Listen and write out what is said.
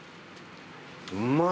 うまい。